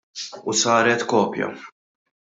U saret kopja.